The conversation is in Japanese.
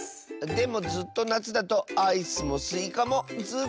でもずっとなつだとアイスもスイカもずっとおいしいよ。